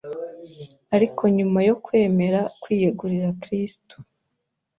ariko nyuma yokwemera kwiyegurira Kristu